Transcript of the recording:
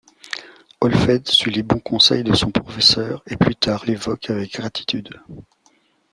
Holfeld suit les bons conseils de son professeur et plus tard l'évoque avec gratitude.